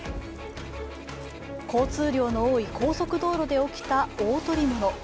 交通量の多い高速道路で起きた大捕り物。